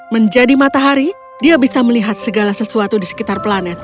menjadi matahari dia bisa melihat segala sesuatu di sekitar planet